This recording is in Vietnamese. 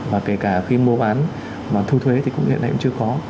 và kể cả khi mô bán và thu thuế thì cũng hiện nay cũng chưa có